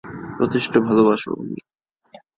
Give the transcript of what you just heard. যথেষ্ট ভালোবাস নি?